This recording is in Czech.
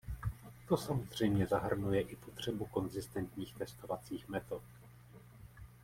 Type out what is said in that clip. To samozřejmě zahrnuje i potřebu konzistentních testovacích metod.